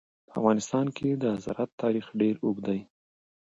په افغانستان کې د زراعت تاریخ ډېر اوږد دی.